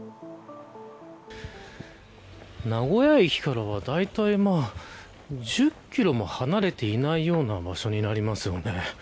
名古屋駅からはだいたい１０キロも離れていないような場所になりますよね。